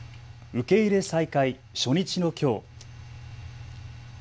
受け入れ再開初日のきょう。